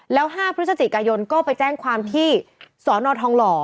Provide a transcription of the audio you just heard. แล้ว๕พฤศจิกายนก็ไปแจ้งความที่สอนอทองหล่อ